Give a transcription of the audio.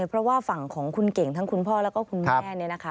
เพราะว่าฝั่งของคุณเก่งทั้งคุณพ่อและคุณแม่